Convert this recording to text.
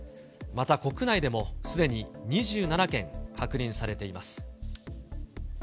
また国内でもすでに２７件確認されています。